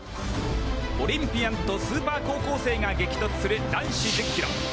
オリンピアンとスーパー高校生が激突する男子１０ｋｍ。